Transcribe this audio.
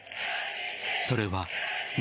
それは道